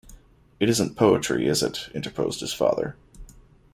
‘It isn't poetry, is it?’ interposed his father.